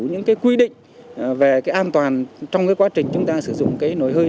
những quy định về an toàn trong quá trình chúng ta sử dụng nồi hơi